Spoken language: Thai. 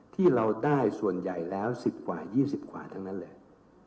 ที่เราได้ส่วนใหญ่แล้ว๑๐กว่า๒๐กว่าทั้งนั้นเลย